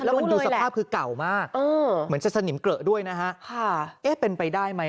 ป่าดคือเก่ามากเหมือนจะสนิมเกลอะด้วยนะฮะเอ้ยเป็นไปได้